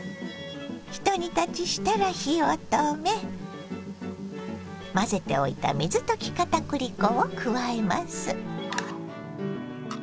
一煮立ちしたら火を止め混ぜておいた水溶きかたくり粉を加えます。